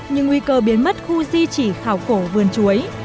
nhưng nguy cơ biến mất khu di chỉ khảo cổ vườn chuối